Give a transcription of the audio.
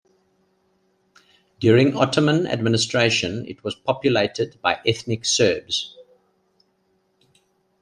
During Ottoman administration it was populated by ethnic Serbs.